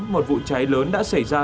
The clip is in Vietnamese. một vụ cháy lớn đã xảy ra